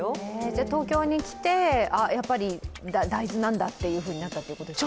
東京に来て、やっぱり大豆なんだってなったってことですか？